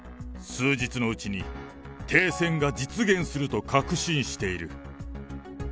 数日のうちに停戦が実現すると確信している。